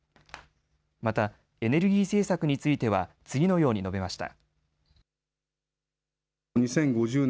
またエネルギー政策については次のように述べました。